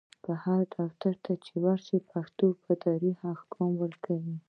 هر دفتر چی ورشي پشتون په دري احکام ورکوي